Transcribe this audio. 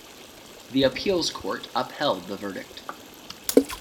The appeals court upheld the verdict.